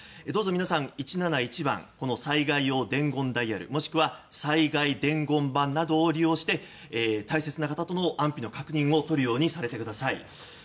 どうぞ皆さん１７１番この災害用伝言ダイヤルもしくは災害伝言板などを利用して、大切な方との安否の確認をとるようにされてください。